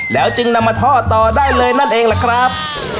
แล้วจึงนำมาทอดต่อได้เลยนั่นเองล่ะครับ